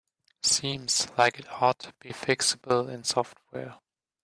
Seems like it ought to be fixable in software.